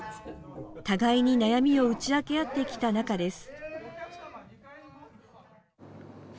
互いに悩みを打ち明けあってきた仲です。